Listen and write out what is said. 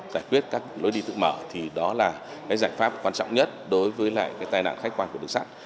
giải quyết các lối đi tự mở thì đó là cái giải pháp quan trọng nhất đối với lại cái tai nạn khách quan của đường sắt